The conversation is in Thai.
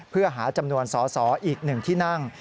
เพื่อหาจำนวนสออีกหนึ่งที่นั่ง